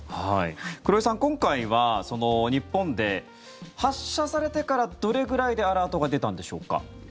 黒井さん、今回は日本で発射されてからどれぐらいでアラートが出たんでしょうか。